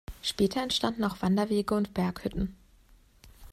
Später entstanden auch Wanderwege und Berghütten.